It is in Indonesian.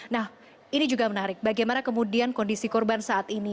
nah ini juga menarik bagaimana kemudian kondisi korban saat ini